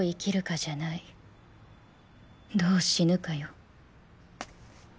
どう死ぬかよ。